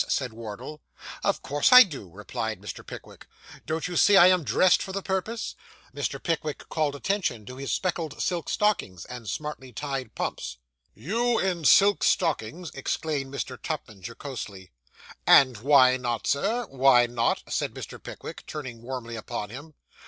said Wardle. 'Of course I do,' replied Mr. Pickwick. 'Don't you see I am dressed for the purpose?' Mr. Pickwick called attention to his speckled silk stockings, and smartly tied pumps. '_You _in silk stockings!' exclaimed Mr. Tupman jocosely. 'And why not, sir why not?' said Mr. Pickwick, turning warmly upon him.